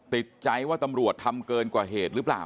ติดใจว่าตำรวจทำเกินกว่าเหตุหรือเปล่า